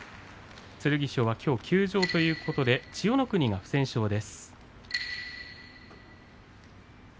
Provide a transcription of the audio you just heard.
剣翔はきょう休場ということで千代の国が不戦勝です。